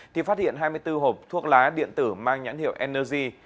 thì phát hiện hai mươi bốn hộp thuốc lá điện tử mang nhãn hiệu energy